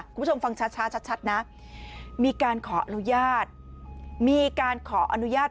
คุณผู้ชมฟังช้าช้าชัดชัดนะมีการขออนุญาต